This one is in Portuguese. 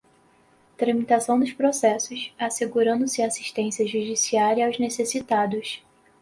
tramitação dos processos, assegurando-se assistência judiciária aos necessitados;